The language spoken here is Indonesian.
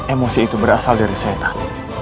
emosi itu berasal dari setan